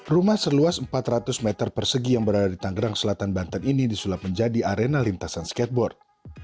rumah seluas empat ratus meter persegi yang berada di tanggerang selatan banten ini disulap menjadi arena lintasan skateboard